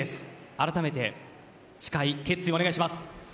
あらためて、誓い決意をお願いします。